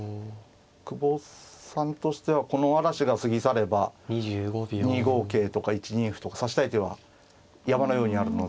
久保さんとしてはこの嵐が過ぎ去れば２五桂とか１二歩とか指したい手は山のようにあるので。